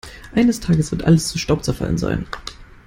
Eines Tages wird alles zu Staub zerfallen sein.